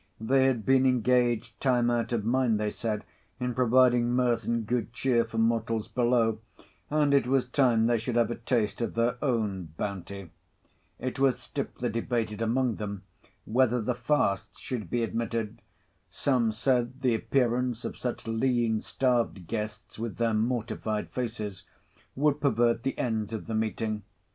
They had been engaged time out of mind, they said, in providing mirth and good cheer for mortals below; and it was time they should have a taste of their own bounty. It was stiffly debated among them, whether the Fasts should be admitted. Some said, the appearance of such lean, starved guests, with their mortified faces, would pervert the ends of the meeting.